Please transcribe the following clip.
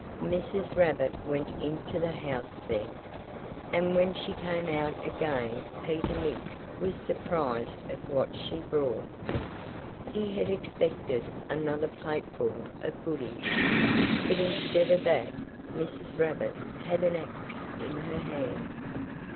Mrs. Rabbit went into the house then. And when she came out again Peter Mink was surprised at what she brought. He had expected another plateful of goodies. But instead of that, Mrs. Rabbit had an axe in her hand.